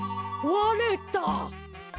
われた。